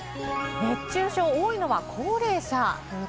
熱中症、多いのは高齢者。